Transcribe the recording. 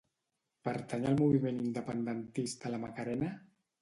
Pertany al moviment independentista la Macarena?